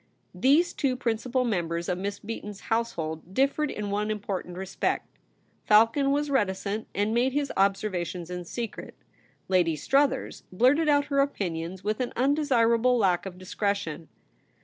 These two principal members of Miss Beaton's household differed in one important respect. Falcon was reticent, and made his observations in secret. Lady Struthers blurted out her opinions with an undesirable lack of discretion.